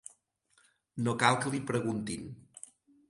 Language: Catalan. No cal que li preguntin.